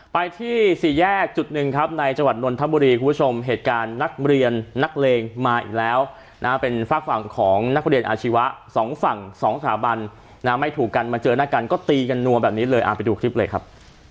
ไปที่สี่แยกจุดหนึ่งครับในจังหวัดนนทบุรีคุณผู้ชมเหตุการณ์นักเรียนนักเลงมาอีกแล้วนะเป็นฝากฝั่งของนักเรียนอาชีวะสองฝั่งสองสถาบันนะไม่ถูกกันมาเจอหน้ากันก็ตีกันนัวแบบนี้เลยไปดูคลิปเลยครับ